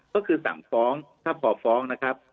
ก็คือสั่งฟ้องถ้าพอฟ้องนะครับ